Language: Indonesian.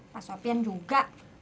pak sofyan juga